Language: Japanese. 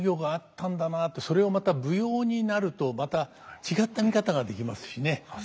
それをまた舞踊になるとまた違った見方ができますしね。